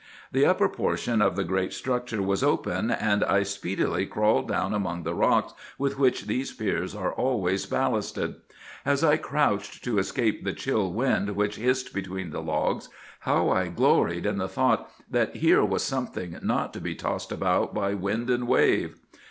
"The upper portion of the great structure was open, and I speedily crawled down among the rocks with which these piers are always ballasted. As I crouched to escape the chill wind which hissed between the logs, how I gloried in the thought that here was something not to be tossed about by wind and wave!